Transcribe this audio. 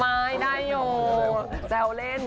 ไม่ได้อยู่แซวเล่น